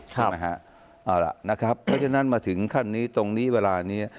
เพราะฉะนั้นมาถึงขั้นนี้ตรงนี้ไวร้านี้